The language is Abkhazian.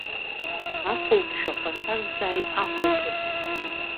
Ахәылԥ шәахәа сазҵааит ахәылԥаз…